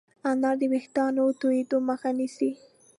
انار د ويښتانو تویدو مخه نیسي.